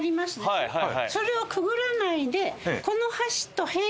はいはい。